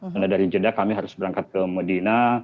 karena dari jeddah kami harus berangkat ke medina